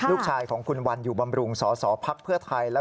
ลูกชายของคุณวันอยู่บำรุงสสพักเพื่อไทย